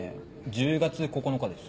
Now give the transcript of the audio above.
１０月９日です。